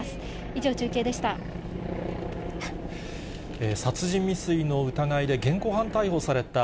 以上、中継でした。